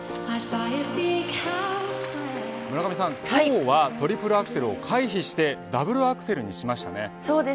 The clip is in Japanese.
村上さん、今日はトリプルアクセルを回避してダブルアクセルにしました。